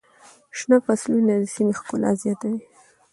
شنه فصلونه د سیمې ښکلا زیاتوي.